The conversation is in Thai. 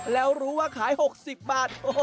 แล้วรู้ว่าขาย๖๐บาท